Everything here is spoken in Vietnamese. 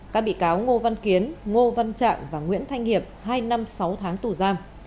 các bị cáo ngô văn kiến ngô văn trạng và nguyễn thanh hiệp hai năm sáu tháng tù giam